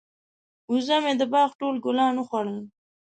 وزه مې د باغ ټول ګلان وخوړل.